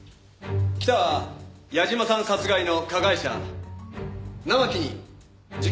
北は矢島さん殺害の加害者生木に事件現場で遭遇。